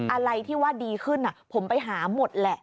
อะไรที่ว่าดีขึ้นผมไปหาหมดแหละ